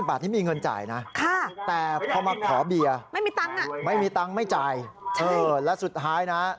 บาทที่มีเงินจ่ายนะแต่พอมาขอเบียร์ไม่มีตังค์ไม่มีตังค์ไม่จ่ายและสุดท้ายนะ